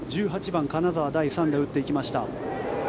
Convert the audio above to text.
１８番金澤、第３打打っていきました。